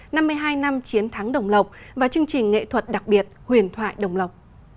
năm mươi hai năm chiến thắng đồng lộc và chương trình nghệ thuật đặc biệt huyền thoại đồng lộc